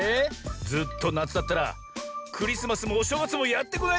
ずっとなつだったらクリスマスもおしょうがつもやってこないぜ。